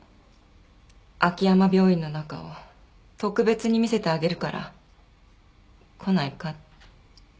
秋山病院の中を特別に見せてあげるから来ないかって。